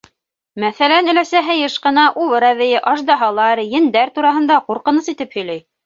Мәҫәлән, өләсәһе йыш ҡына убыр әбейе, аждаһалар, ендәр тураһында ҡурҡыныс итеп һөйләй.